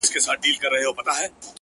په تهمتونو کي بلا غمونو!